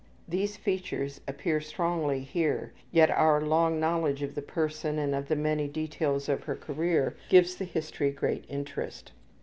These features appear strongly here, yet our long knowledge of the person and of the many details of her career gives the history great interest.